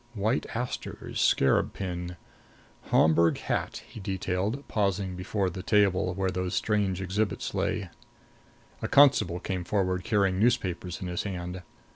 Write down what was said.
"White asters; scarab pin; Homburg hat," he detailed, pausing before the table where those strange exhibits lay. A constable came forward carrying newspapers in his hand.